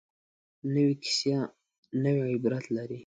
نوې کیسه نوې عبرت لري